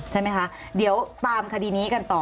ใช่ไหมคะเดี๋ยวตามคดีนี้กันต่อ